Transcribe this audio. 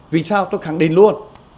vì sao tôi khẳng định luôn